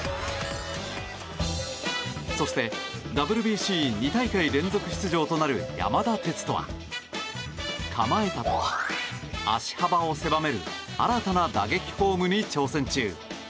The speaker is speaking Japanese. そして、ＷＢＣ２大会連続出場となる、山田哲人は構えた時、足幅を狭める新たな打撃フォームに挑戦中。